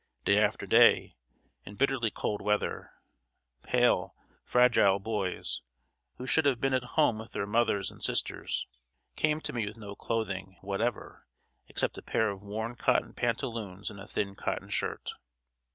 Day after day, in bitterly cold weather, pale, fragile boys, who should have been at home with their mothers and sisters, came to me with no clothing whatever, except a pair of worn cotton pantaloons and a thin cotton shirt.